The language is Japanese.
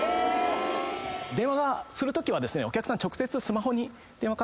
電話するときはお客さん。